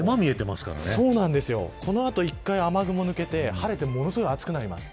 この後、１回雨雲が抜けて晴れてものすごく暑くなります。